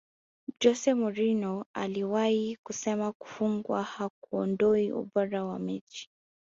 jose mourinho aliwahi kusema kufungwa hakuondoi ubora wa mechi